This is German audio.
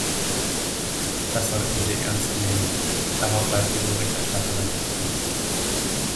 Das sollten Sie ernst nehmen, darauf weist die Berichterstatterin auch hin.